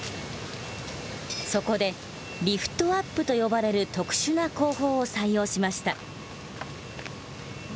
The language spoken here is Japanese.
そこでリフトアップと呼ばれる特殊な工法を採用しました。